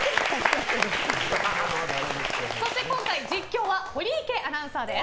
そして今回、実況は堀池アナウンサーです。